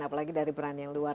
apalagi dari peran yang luar